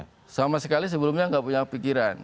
tidak sama sekali sebelumnya tidak punya pikiran